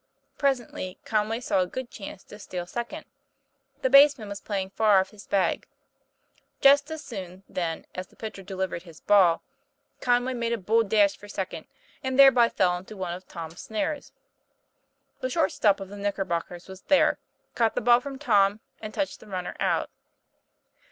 Presently, Conway saw a good chance to steal second; the baseman was playing far off his bag. Just as soon, then, as the pitcher delivered his ball, Conway made a bold dash for second and thereby fell into one of Tom's snares. The short stop of the Knickerbockers was there, caught the ball from Tom, and touched the runner out.